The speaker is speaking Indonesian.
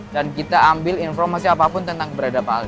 dan kita ambil informasi apapun tentang keberadaan pak al